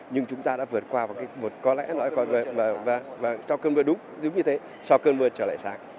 nhưng chúng ta đã vượt qua một cái một có lẽ và cho cơn mưa đúng như thế cho cơn mưa trở lại sáng